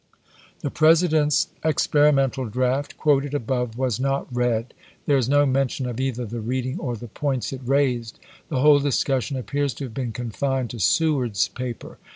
The President's experimental draft quoted above was not read; there is no mention of either the reading or the points it raised. The whole discus sion appears to have been confined to Seward's paper.